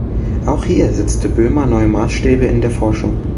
Auch hier setzte Boehmer neue Maßstäbe in der Forschung.